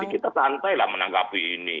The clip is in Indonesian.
kita santai lah menanggapi ini